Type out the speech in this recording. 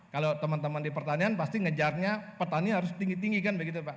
kalau teman teman di pertanian pasti ngejarnya petani harus tinggi tinggi kan begitu pak